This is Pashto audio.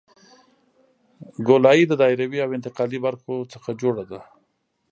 ګولایي د دایروي او انتقالي برخو څخه جوړه ده